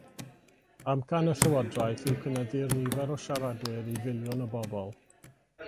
Amcan y Llywodraeth yw cynyddu'r nifer o siaradwyr i filiwn o bobl.